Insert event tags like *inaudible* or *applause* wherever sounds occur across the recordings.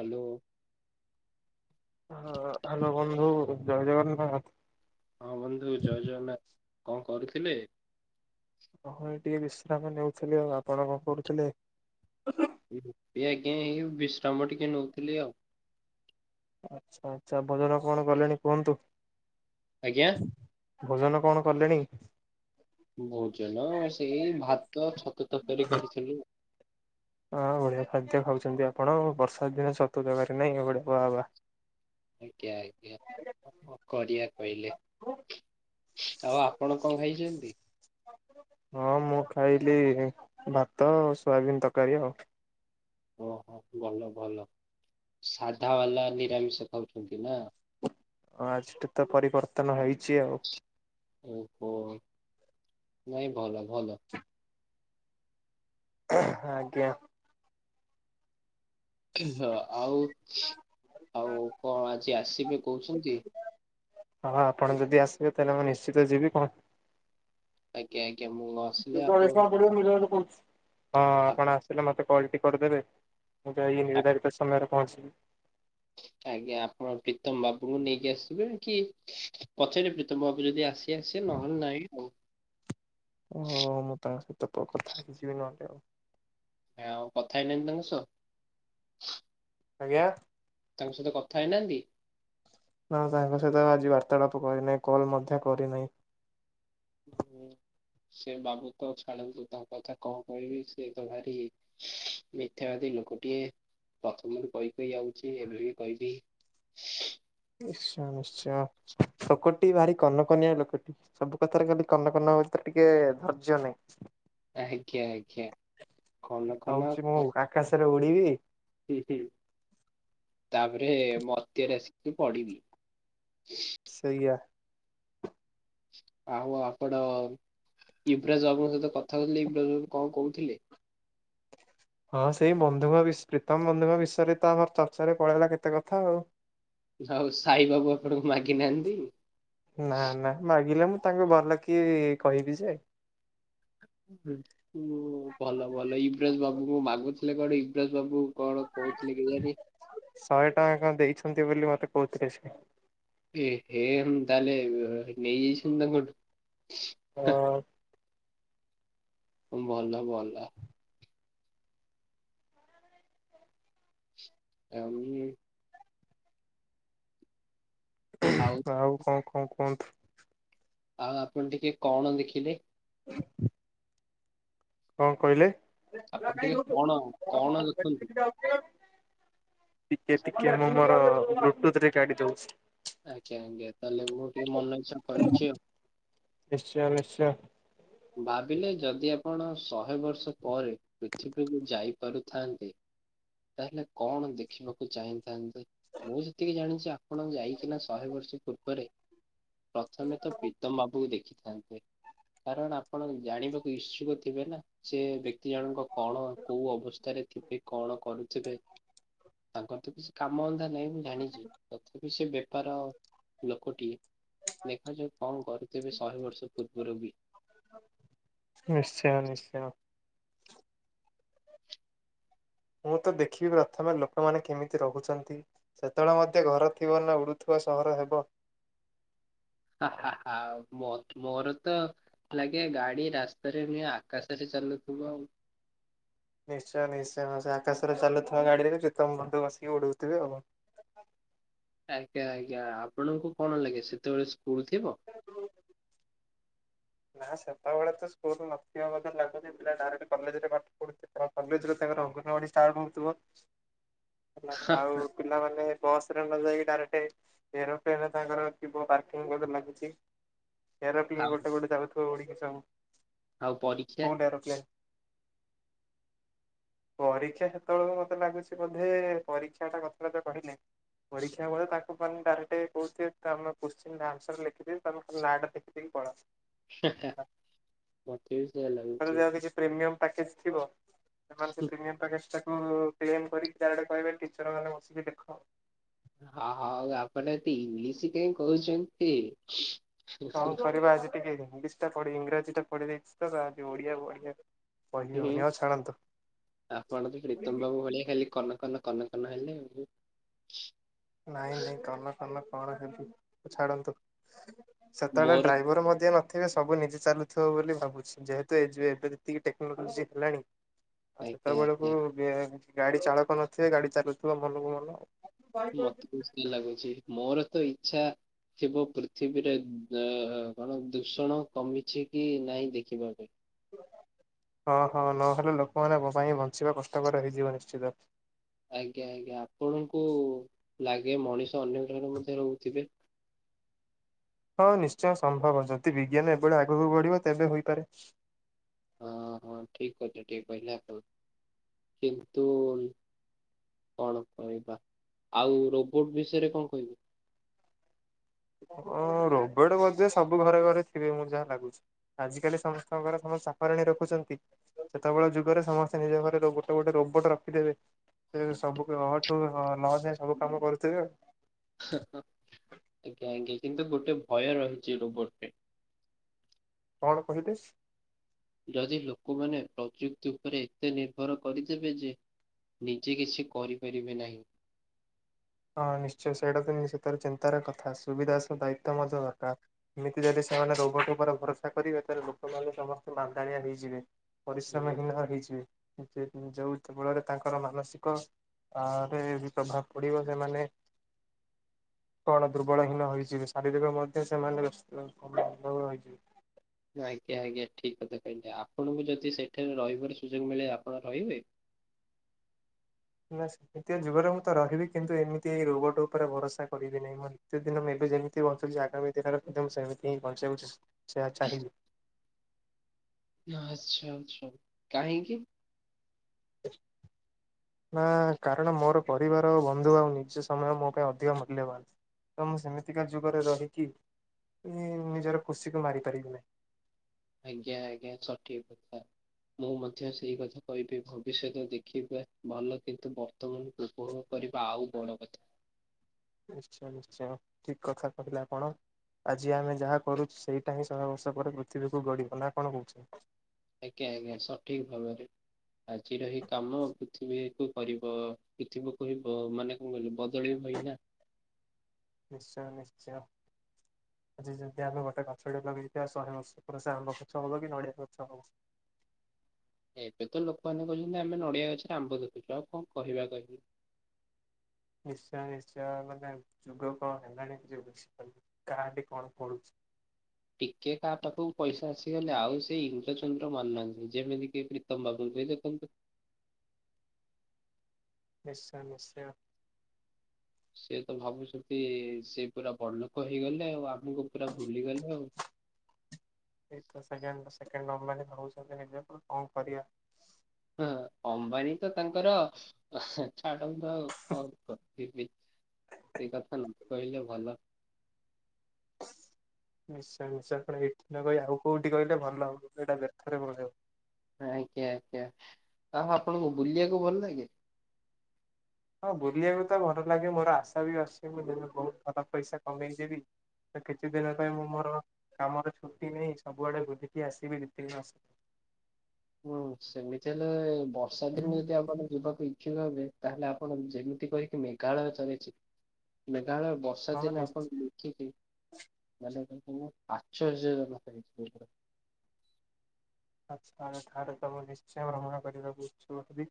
Hello ହଁ hello ବନ୍ଧୁ ଜୟ ଜଗନ୍ନାଥ। ହଁ ବନ୍ଧୁ ଜୟ ଜଗନ୍ନାଥ କଣ କରୁଥିଲେ? ହଁ ଏ ଟିକେ ବିଶ୍ରାମ ନେଉଥିଲି ଆଉ ଆପଣ କଣ କରୁଥିଲେ? ଏ ଆଜ୍ଞା ଏଇ ବିଶ୍ରାମ ଟିକେ ନଉଥିଲି ଆଉ। ଆଚ୍ଛା ଆଚ୍ଛା ଭୋଜନ କଣ କଲେଣି କୁହନ୍ତୁ? ଆଜ୍ଞା ଭୋଜନ କଣ କଲେଣି? ଭୋଜନ ସେଇ ଭାତ ଛତୁ ତରକାରୀ କରିଥିଲୁ। ହଁ ବଢିଆ ଖାଦ୍ୟ ଖାଉଛନ୍ତି ଆପଣ ବର୍ଷା ଦିନ ଛତୁ ତରକାରୀ ନାହିଁ ବଢ଼ିଆ ବାହା ବାହା ଆଜ୍ଞା ଆଜ୍ଞା। କଣ କରିବା କହିଲେ ଆଉ ଆପଣ କଣ ଖାଇଛନ୍ତି? ହଁ ମୁଁ ଖାଇଲି ଭାତ ସୋୟାବିିନ ତରକାରୀ ଆଉ। ଓହୋ ଭଲ ଭଲ ସାଧା ବାଲା ନିରାମିଷ ଖାଉଛନ୍ତି ନା। ହଁ ଆଜିଠୁ ତ ପରିବର୍ତ୍ତନ ହେଇଛି ଆଉ ଓହୋ ନାଇଁ ଭଲ ଭଲ *inaudible* ଆଜ୍ଞା ହଁ ଆଉ ଆଉ କଣ ଆଜି ଆସିବେ କହୁଛନ୍ତି। ହଁ ଆପଣ ଯଦି ଆସିବେ ତାହେଲେ ମୁଁ ନିଶ୍ଚିତ ଯିବି କଣ ଆଜ୍ଞ ଆଜ୍ଞା ମୁଁ ଆସିଲେ *unintelligible* ଆପଣଙ୍କୁ ହଁ ଆପ- ଆପଣ ଆସିଲେ ମତେ କାଲଟି କରିଦେବେ। ମୁଁ ଯାଇକି ଆପ- ନିର୍ଦ୍ଧାରିତ ସମୟରେ ପହଞ୍ଚିବି। ଆଜ୍ଞା ଆପଣ ପ୍ରୀତମ ବାବୁଙ୍କୁ ନେଇକି ଆସିବେ କି ପଛରେ ପ୍ରୀତମ ବାବୁ ଯଦି ଆସି କେ ଆସିଏ ନହେଲେ ନାଇଁ ଆଉ। ଓହୋ ମୁଁ ତାଙ୍କ ସହିତ ପ୍ର କଥା ହେଇକି ଯିବି ନହେଲେ ଆଉ। ଆଉ କଥା ହେଇନାହାନ୍ତି ତାଙ୍କ ସହ? ଆଜ୍ଞା? ତାଙ୍କ ସହିତ କଥା ହେଇନାହାନ୍ତି? ନାଁ ତାଙ୍କ ସହିତ ତ ଆଜି ବାର୍ତ୍ତାଳାପ କରିନାହିଁ କଲ୍ ମଧ୍ୟ କରିନାହିଁ। ଉଁ ସେ ବାବୁ ତ ଛାଡ଼ନ୍ତୁ ତାଙ୍କ କଥା କଣ କହିବି ସେ ତ ଭାରି ମିଥ୍ୟାବାଦୀ ଲୋକଟିଏ ପ୍ରଥମରୁ କହି କହି ଆଉଚି ଏବେ ବି କହିବି। *inaudible* ନିଶ୍ଚୟ ନିଶ୍ଚୟ ଲୋକଟି ଭାରି କନକନିଆ ଲୋକଟି। ସବୁ କଥାରେ ଖାଲି କନକନ ହୋଉଚ ଟିକେ ଧୈର୍ଯ୍ୟ ନାହିଁ। ଆଜ୍ଞା ଆଜ୍ଞା କନ କନ କହୁଛି କ ମୁଁ ଆକାଶରେ ଉଡି଼ବି। ହୁଁ ହୁଁ ତାପରେ ମର୍ତ୍ତ୍ୟରେ ଆସିକି ପଡି଼ବି। ସେଇଆ। ଆଉ ଆପଣ ଇବ୍ରାଜ ବାବୁଙ୍କ ସହିତ କଥା ହୋଉଥୁଲେ ଇବ୍ରାଜ ବାବୁ କଁ କୋଉଥୁଲେ? ହଁ ସେଇ ବନ୍ଧୁଙ୍କ ବିଷ୍ ପ୍ରୀତମ ବନ୍ଧୁଙ୍କ ବିଷୟରେ ତ ଆମର ଚର୍ଚ୍ଚାରେ ପଳେଇଲା କେତେ କଥା ଆଉ। ହଉ ସାଇ ବାବୁ ଆପଣଙ୍କୁ ମାଗିନାହାନ୍ତି? ନାଁ ନାଁ ମାଗିଲେ ମୁଁ ତାଙ୍କୁ ଭଲ କି କହିବି ଯେ। ଉଁ ହୁଁ। ହୁଁ ଭଲ ଭଲ ଇବ୍ରଜ ବାବୁଙ୍କୁ ମାଗୁଥୁଲେ କଣ ଇବ୍ରାଜ ବାବୁ କଣ କୋହୁଥୁଲେ କେଜାଣି? ଶହେ ଟଆଁ କଁ ଦେଇଛନ୍ତି ବୋଲି ମତେ କୋହୁଥୁଲେ ସେ। ଏହେ ତାହେଲେ ନେଇଯାଇଛନ୍ତି ତାଙ୍କଠୁ। ହଁ। ଉଁ ଭଲ ଭଲ। ଆଉ ହଁ ଆଉ ଆଉ କଁ କଁ କୁହନ୍ତୁ। ଆଉ ଆପଣ ଟିକେ କଣ ଦେଖିଲେ? ହ କଁ କହିଲେ? ଆପଣ ଟିକେ କଣ କଣ ଦେଖନ୍ତୁ। ଟିକେ ଟିକେ ମୁଁ ମୋର ବ୍ଲୁଟୁଥ୍ ରେ କାଡି଼ ଦଉଚି। ଆଚ୍ଛା ଆଜ୍ଞା ତାହେଲେ ମୁଁ ଟିକେ ମନ ଇଚ୍ଛା କରଚି ଆଉ। ନିଶ୍ଚୟ ନିଶ୍ଚୟ। ଭାବିଲେ ଯଦି ଆପଣ ଶହେ ବର୍ଷ ପରେ ପୃଥିବୀକୁ ଯାଇପାରୁଥାନ୍ତେ ତାହେଲେ କଣ ଦେଖିବାକୁ ଚାହିଁଥାନ୍ତେ ମୁଁ ଯେତିକି ଜାଣିଚି ଆ ପଣ ଯାଇକିନା ଶହେ ବର୍ଷ ପୂର୍ବରେ ପ୍ରଥମେ ତ ପ୍ରୀତମ ବାବୁଙ୍କୁ ଦେଖିଥାନ୍ତେ। କାରଣ ଆପଣ ଜାଣିବାକୁ ଇସ୍ଛୁକ ଥିବେ ନାଁ ସେ ବ୍ୟକ୍ତି ଜଣଙ୍କ କଣ କୋଉ ଅବସ୍ଥାରେ ଥିବେ କଣ କରୁଥୁବେ ତାଙ୍କର ତ କିଛି କାମ ଅନ୍ଧା ନାହିଁ ମୁଁ ଜାଣିଚି ତଥାପି ସେ ବେପାର ଲୋକଟିଏ। ଲେଖାଯାଉ କଁ କରୁଥୁବେ ଶହେ ବର୍ଷ ପୂର୍ବୁରୁ ବି। ନିଶ୍ଚୟ ନିଶ୍ଚୟ। ମୁଁ ତ ଦେଖିବି ପ୍ରଥମେ ଲୋକମାନେ କେମିତି ରହୁଚନ୍ତି। ସେତୋଳେ ମଧ୍ୟ ଘର ଥିବ ନାଁ ଉଡ଼ୁଥୁବା ସହର ହେବ? ଆ ହା ହା ମୋ ମୋର ତ ଲାଗେ ଗାଡି ରାସ୍ତାରେ ନୁହେଁ ଆକାଶରେ ଚାଲୁଥୁବ ଆଉ। ନିଶ୍ଚୟ ନିଶ୍ଚୟ ହଁ ସେ ଆଶରେ ଚାଲୁଥିବା ଗାଡିରେ ବି ଯେ ତୋମ ବନ୍ଧୁ ବସିକି ଉଡୁଥିବେ ହବ। ଆଜ୍ଞା, ଆଜ୍ଞା ଆପଣଙ୍କୁ କଣ ଲାଗେ ସେତେବେଳେ ସ୍କୁଲ୍ ଥିବ। ନା ସେତେବେଳେ ତ ସ୍କୁଲ୍ ନଥିବା *unintelligible* ଲାଗୁଚି ପିଲା ଡାଇରେକ୍ଟ କଲେଜ୍ ରେ ପାଠ ପଢୁଛି। ଏ ପୁରା କଲେଜ୍ ରୁ ତାଙ୍କର ଅଙ୍ଗନବାଡି ଷ୍ଟାର୍ଟ ହଉଥିବ। ହେଲା ହା, ଆଉ ପିଲାମାନେ ବସ୍ ରେ ନ ଯାଇକି ଡାଇରେକ୍ଟେ ଏରୋପ୍ଲେନ୍ ର ତାଙ୍କର ଥିବ ପାର୍କିଂ ବୋଧେ ଲାଗୁଛି। ଏରୋପ୍ଲେନ୍ ଆଉ ଗୋଟେ ଗୋଟେ ଯାଉଥିବ ଉଡିକି ସବୁ ଆଉ ପରୀକ୍ଷା ସ୍କୁଲ୍ ଏରୋପ୍ଲେନ୍। ପରୀକ୍ଷା ସେତେବେଳକୁ ମୋତେ ଲାଗୁଛି ବୋଧେ ପରୀକ୍ଷାଟା କଥାବାର୍ତ୍ତା କହିଲେ ପରୀକ୍ଷା ବଳେ ତାଙ୍କୁ ମାନ ଡାଇରେକ୍ଟେ କହୁଥିବେ ତ ଆମେ କୁଶ୍ଚେନ ଆନ୍ସର ଲେଖିେ ଦେବି ତୋମେ ଖାଲି ନାଁଟା ଲେଖି ଦେଇ ପଳ। ହେ ହେ ମୋତେ ବି ସେଇୟା ତାଙ୍କର ଲାଗୁଚି। ଯାହା କିଛି ପ୍ରିମିୟମ ପ୍ୟାକେଜ୍ ଥିବ, ସେମାନେ ସେ ପ୍ରିମିୟମ ପ୍ୟାକେଜ୍ ଟାକୁ ଫେମ କରିକି ଚାରିଆଡେ କହିବେ ଟିଚର୍ ମାନେ ବସିକି ଦେଖ। ହଁ, ହଁ ହଉ ଆପଣ ଏତେ ଇଂଲିଶ କାଇଁ କହୁଛନ୍ତି। କଣ କରିବା ଆଜି ଟିକେ ହି ଇଂଲିଶ ଟା ପଢି ଇଂରାଜୀ ଟା ପଢି ଦେଇଛି ତ ଆଜି ଓଡିଆ ବଢ଼ିଆ ହୁଁ, ହୁଁ, ଆପଣ ତ ପ୍ରୀତମ ବାବୁ ଭଳିଆ ଖାଲି କନକନ କନ କନ ହେଲେ ଆଉ। ନାଇଁ ନାଇଁ କନକନ କଣ ହେବି ଛାଡନ୍ତୁ। ସେତେବେଳେ ମୋର ଡ୍ରାଇଭର୍ ମଧ୍ୟ ନ ଥିବେ ସବୁ ନିଜେ ଚାଲୁଥିବ ବୋଲି ଭାବୁଛି। ଯେହେତୁ ଏଜୁ ଏବେ ଯେତିକି ଟେକ୍ନୋଲୋଜି ହେଲାଣି ଆଉ ଆଜ୍ଞା ଆଜ୍ଞା ସେତେବେଳକୁ ବେ- ଗାଡି ଚାଳକ ନଥିବେ, ଗାଡି ଚାଲୁଥିବ ମନକୁ ମନ। ମୋତେ ତ ସେଇ ଲାଗୁଛି, ମୋର ତ ଇଚ୍ଛା ଥିବ ପୃଥିବୀରେ ଅ, କଣ ଦୂଷଣ କମିଛି କି ନାହିଁ ଦେଖିବା ପାଇଁ। ହଁ ହଁ ନହେଲେ ଲୋକମାନଙ୍କ ପାଇଁ ବଞ୍ଚିବା କଷ୍ଟକର ହେଇଯିବ ନିଶ୍ଚିତ। ଆଜ୍ଞା, ଆଜ୍ଞା ଆପଣଙ୍କୁ ଲାଗେ ମଣିଷ ଅନ୍ୟ ଗ୍ରହରେ ମଧ୍ୟ ରହୁଥିବେ। ହଁ ନିଶ୍ଚୟ ସମ୍ଭବ ଯଦି ବିଜ୍ଞାନ ଏଭଳି ଆଗକୁ ବଢିବ ତେବେ ହୋଇପାରେ। ହଁ, ହଁ ଠିକ କହିଲେ, ଠିକ୍ କହିଲେ ଆପଣ କିନ୍ତୁ କଣ କହିବା, ଆଉ ରୋବୋଟ୍ ବିଷୟରେ କଣ କହିବେ? ହଁ ରୋବୋଟ୍ ବୋଧେ ସବୁ ଘରେ ଘରେ ଥିବେ ମୁଁ ଯାହା ଲାଗୁଛି। ଆଜ କାଲି ସମସ୍ତଙ୍କ ଘର ସବୁ ସଫାରାଣୀ ରଖୁଛନ୍ତି। ସେତେବେଳେ ଯୁଗରେ ସମସ୍ତେ ନିଜ ଘରେ ଗୋଟେ ଗୋଟେ ରୋବୋଟ୍ ରଖିଦେବେ। ସେ ସବୁଠୁ ଅ ଠୁ ହ-ଲ ଯାଏ ସବୁ କାମ କରୁଥିବେ। ହଁ ଅଁ, ଆଜ୍ଞା, ଆଜ୍ଞା କିନ୍ତୁ ଗୋଟେ ଭୟ ରହିଚି ରୋବଟ୍ ରେ। କଣ କିହିଲେ? ଯଦି ଲୋକମାନେ ପ୍ରଯୁକ୍ତି ଉପରେ ଏତେ ନିର୍ଭର କରିଦେବେ ଯେ ନିଜେ କିଛି କରିପାରିବେ ନାହିଁ। ହଁ ନିଶ୍ଚୟ ସେଇଟା ନି- ସେଥେର ଚିନ୍ତାର କଥା ସୁବିଧା ସହ ଦାୟିତ୍ୱ ମଧ୍ୟ ଦରକାର। ଏମିତି ଯଦି ସେମାନେ ରୋବଟ୍ ଉପରେ ଭରସା କରିବେ ତାହେଲେ ଲୋକମାନେ ସମସ୍ତେ ମାନ୍ଦାଳିଆ ହେଇଯିବେ। ହୁଁ, ପରିଶ୍ରମ ହୀନ ହେଇଯିବେ। ଯେ ଯୋଉ ବଳରେ ତାଙ୍କର ମାନସିକ ଆ ରେ ବି ପ୍ରଭାବ ପଡିବ। ଯେ ମାନେ କଣ ଦୁର୍ବଳହୀନ ହୋଇଯିବେ। ଶାରୀରିକ ମଧ୍ୟ ସେମାନେ *inaudible* ହୋଇଯିବେ। ଆଜ୍ଞା, ଆଜ୍ଞା ଠିକ କଥା କହିଲେ ଆପଣଙ୍କୁ ଯଦି ସେଠାରେ ରହିବାର ସୁଯୋଗ ମିଳେ ଆପଣ ରହିବେ? ନା ସେ ଦିତୀୟ ଯୁଗରେ ମୁଁ ତ ରହିବି, କିନ୍ତୁ ଏମିତି ଏଇ ରୋବଟ୍ ଉପରେ ଭରସା କରିବି ନାହିଁ। ମୋ ନିତ୍ୟ ଦିନ ମୁଁ ଏବେ ଯେମିତି ବଞ୍ଚୁଚି ଆଗାମୀ ସେ ତାଙ୍କର ଏକଦମ ସେମିତି ହିଁ ବଞ୍ଚିବାକୁ ଚା, ସେୟା ଚାହିଁବି। ନା ଆଚ୍ଛା, ଆଚ୍ଛା କାହିଁକି? *inaudible* ନା କାରଣ ମୋର ପରିବାର ବନ୍ଧୁ ଆଉ ନିଜ ସମୟ ମୋ ପାଇଁ ଅଧିକ ମୂଲ୍ୟବାନ। ତ ମୁଁ ସେମିତିକା ଯୁଗରେ ରହିକି ଉମ ନିଜର ଖୁସିକୁ ମାରି ପାରିବିନି। ଆଜ୍ଞା ଆଜ୍ଞା ସଠିକ ପଥ। ମୁଁ ମଧ୍ୟ ସେଇ କଥା କହିବି ଭବିଷ୍ୟତ ଦେଖିବା ଭଲ କିନ୍ତୁ ବ ତମ ଉପଭୋଗ କରିବା ଆଉ ବଡ କଥା। ନିଶ୍ଚୟ ନିଶ୍ଚୟ ଠିକ କଥା କହିଲା ଆପଣ। ଆଜି ଆମେ ଯାହା କରୁଚୁ ସେଇଟା ହିଁ ଶହେ ବର୍ଷ ପରେ ପୃଥିବୀକୁ ଗଡିବ ନା କଣ କହୁଚ? ଆଜ୍ଞା ଆଜ୍ଞା ସଠିକ ଭାବରେ। ଆଜିରହି କାମ ପୃଥିବୀ କୁ କରିବ ପୃଥିବୀକୁ ହେବ ମାନେ କଣ କହିଲ ବଦଳିବଇନା। ନିଶ୍ଚୟ ନିଶ୍ଚୟ। ଆଜି ଯଦି ଆମେ ଗୋଟେ ଗଛଟେ ଲଗେଇଥିବା ଶହେ ବର୍ଷ ପୁର ସେ ଆମ୍ବ ଗଛ ହବ କି ନଡ଼ିଆ ଗଛ ହବ। ଏବେ ତ ଲୋକମାନେ କହୁଛନ୍ତି ଆମେ ନଡିଆ ଗଛରେ ଆମ୍ବ ଦେଖୁଚୁ, ଆଉ କଣ କହିବା କହିବି। ନିଶ୍ଚୟ ନିଶ୍ଚୟ ମାନେ ଯୁଗ କଣ ହେଲାଣି କାହାଠି କଣ *unintelligible* ଟିକେ କାହା ପାଖକୁ ପଇସା ଆସିଗଲେ ଆଉ ସେ ଇନ୍ଦ୍ର ଚନ୍ଦ୍ର ମାନୁ ନାହାନ୍ତି, ଯେମିତି କି *unintelligible* ଦେଖନ୍ତୁ ନିଶ୍ଚୟ ନିଶ୍ଚୟ। ସେ ତ ଭାବୁଛନ୍ତି ସେ ପୁରା ବଡଲୋକ ହେଇଗଲେ, ଆଉ ଆମକୁ ପୁରା ଭୁଲିଗଲେ ଆଉ। ସେକେଣ୍ଡ ସେକେଣ୍ଡ ଅମ୍ବାନୀ କହୁଛନ୍ତି ନିଜକୁ କଣ କରିବା। ହଁ ଅମ୍ବାନୀ ତ ତାଙ୍କର ଛାଡନ୍ତୁ ମୁ ତ ଆଉ କଣ କରିବି ସେ କଥା ନ କହିଲେ ଭଲ। ନିଶ୍ଚୟ ନିଶ୍ଚୟ ଆପଣ ଏଇଠି ନ କହି ଆଉ କୋଉଠି କହିଲେ ଭଲ ହବ ଏଇଟା ବ୍ୟର୍ଥ ରେ ପଳେଇବ। ଆଜ୍ଞା ଆଜ୍ଞା ଆଉ ଆପଣଙ୍କୁ ବୁଲିବାକୁ ଭଲ ଲାଗେ? ହଁ ବୁଲିବାକୁ ତ ଭଲ ଲାଗେ ମୋର ଆଶା ବି ଅଛି ମୁଁ ଦେବେି ବୋହୁତ ସାରା ପଇସା କମେଇ ଦେବି ତ କିଛି ଦିନ ପାଇଁ ମୁଁ ମୋର କାମର ଛୁଟି ନେଇ ସବୁଆଡେ ବୁଲିକି ଆସିବି ଦି ତିନି ହୁଁ ସେମିତି ହେଲେ ବର୍ଷା ଦିନ ଯଦି ଆପଣ ଯିବାକୁ ଠିକ ତାହେଲେ ଆପଣ ଯେମିତି କହିକି ମେଘାଳୟ ଚାଲି ଯିବେ ମେଘାଳୟ ବ ବର୍ଷା ହଁ ଦିନେ ନିଶ୍ଚୟ। ଆପଣ ଲେଖିିକେ ନହେଲେ ପାଞ୍ଚ ହଜାର ହେଇ ଆ ଠାରେ ସବୁ ନିଶ୍ଚୟ ଭ୍ରମଣ କରିବାକୁ *unintelligible*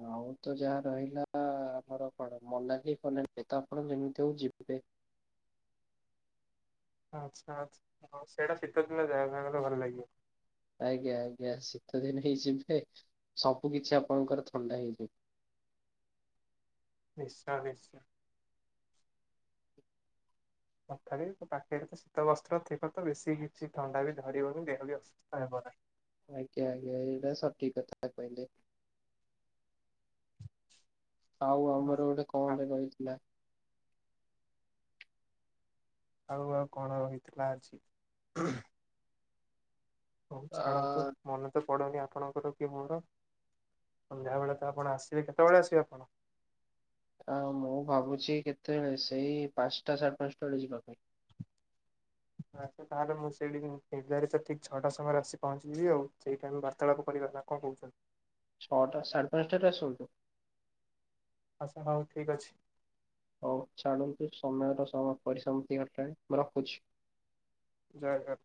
ଆଉ ତ ଯାହା ରହିଲା ଆମର କଣ ମୋନାଲି ଫୋନାଲି ତ ଆପଣ ଯେମିତି ହୋଉ ଯିବେ। ଆଚ୍ଛା ସେଇଟା ଶୀତଦିନ *unintelligible* ଭଲ ଲାଗିବ। ଆଜ୍ଞା ଆଜ୍ଞା ଶୀତ ଦିନ ହେଇଯିବେ ସବୁ କିଛି ଆପଣଙ୍କର ଥଣ୍ଡା ହେଇଯିବ। ନିଶ୍ଚୟ ନିଶ୍ଚୟ। ତଥାପି ତୋ ପାଖରେ ତ ଶୀତ ବସ୍ତ୍ର ଥିବ ତ ବେଶୀ କିଛି ଥଣ୍ଡା ବି ଧରିବନି ଦେହ ବି ଅସୁ *unintelligible* ଆଜ୍ଞା ଆଜ୍ଞା ଏଇଟା ସଠିକ୍ କଥା କହିଲେ। ଆଉ ହଁ। ଆମର ଗୋଟେ ଆ କଣ ଟେ ରହିଥିଲା ଆଉ ଆଉ କଣ ରହିଥିଲା ଆଜି ହଉ ଛାଡ଼ନ୍ତୁ। ଆ ମନେ ତ ପଡ଼ନି ଆପଣଙ୍କର କି ମୁଣ୍ଡ, ସନ୍ଧ୍ୟାବେଳେ ତ ଆପଣ ଆସିବେ କେତେବେଳେ ଆସିବେ ଆପଣ? ଆ ମୁଁ ଭାବୁଚି କେତେବେଳେ ସେଇ ପାଞ୍ଚଟା ସାଢେ ପାଞ୍ଚଟା ବେଳେ ଯିବା ପାଇଁ। ଆଚଛା ତାହେଲେ ମୁଁ ସେଇଠିିକ୍ ମୁଁ ତ ଠିକ ଛଅଟା ସମୟରେ ଆସି ପହଞ୍ଚିଯିବି ଆଉ ସେଇ ଟାଇମ ବାର୍ତ୍ତାଳାପ କରିବା ନା। *unintelligible* ଛଅଟା ସାଢ଼େ ପାଞ୍ଚଟାରେ ଆସନ୍ତୁ। ଆଚ୍ଛା ହଉ ଠିକ ଅଛି। ହଉ ଛାଡନ୍ତୁ ସମୟର ସମ ପରିସମପ୍ତି ଘଟିଲାନି ମୁଁ ରଖୁଛି। ଜୟାଗ